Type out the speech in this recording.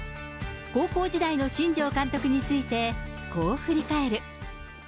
高校時代の新庄監督について、こう振り返る。